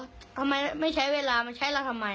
ทำไมไม่ใช้เวลาไม่ใช่นะทำไม